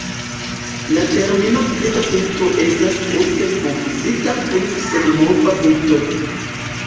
La termino "kriza punkto" estas ofte konfuzita kun "senmova punkto".